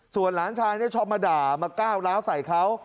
ส่วนหลานชายชอบมาด่ามาก้าวร้าวใส่เขา